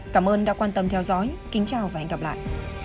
cảm ơn đã quan tâm theo dõi kính chào và hẹn gặp lại